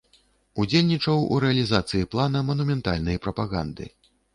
Удзельнічаў у рэалізацыі плана манументальнай прапаганды.